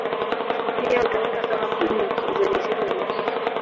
Pia hutumika kama kuni na kwa uzalishaji wa makaa.